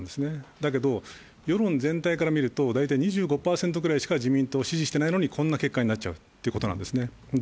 だけど世論全体から見ると大体２５％ぐらいしか自民党を支持していないのにこんな結果になっちゃうということなんですね。